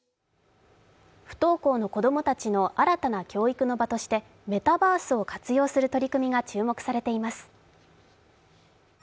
不登校の子供たちの新たな通学の場としてメタバースを活用する取り組みが注目されています。